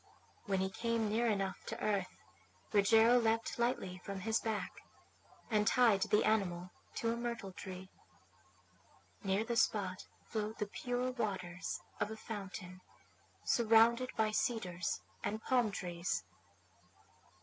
When he came near enough to earth Rogero leapt lightly from his back, and tied the animal to a myrtle tree. Near the spot flowed the pure waters of a fountain, surrounded by cedars and palm trees.